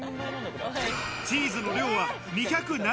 チーズの量は２７０ｇ。